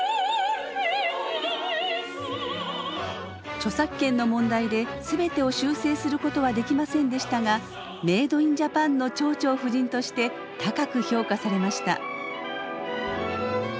著作権の問題で全てを修正することはできませんでしたがメードインジャパンの「蝶々夫人」として高く評価されました。